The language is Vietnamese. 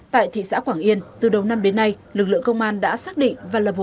tại thị xã quảng yên từ đầu năm đến nay lực lượng công an đã xác định và lập hồ